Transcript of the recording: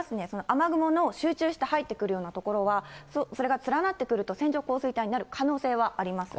雨雲の集中して入ってくるような所は、それが連なってくると、線状降水帯になる可能性はあります。